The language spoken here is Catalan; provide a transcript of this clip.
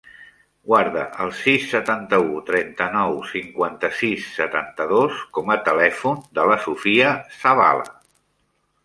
Guarda el sis, setanta-u, trenta-nou, cinquanta-sis, setanta-dos com a telèfon de la Sofía Zavala.